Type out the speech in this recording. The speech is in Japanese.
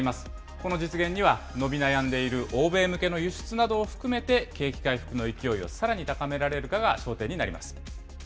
この実現には、伸び悩んでいる欧米向けの輸出などを含めて、景気回復の勢いをさらに高められるかが焦点になります。